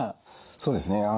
そうですね。